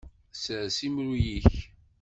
Sers imru-yik.